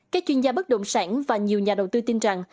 các chuyên gia bất động sản và nhiều nhà đầu tư tin rằng